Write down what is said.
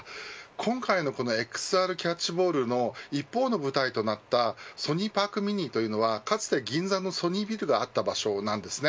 今回のこのＸＲキャッチボールの一方の舞台となったＳｏｎｙＰａｒｋＭｉｎｉというのは、かつて銀座のソニービルがあった場所です。